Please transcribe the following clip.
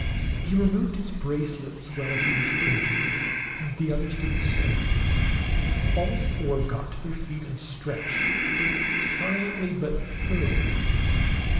He removed his bracelets while he was thinking; the others did the same. All four got to their feet and stretched, silently but thoroughly.